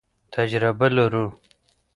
تجربه لرو.